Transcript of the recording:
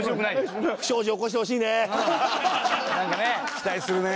期待するね。